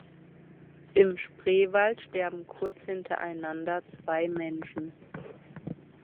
Im Spreewald sterben kurz hintereinander zwei Menschen.